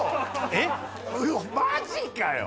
えっマジかよ